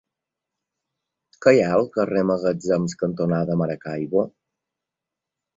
Què hi ha al carrer Magatzems cantonada Maracaibo?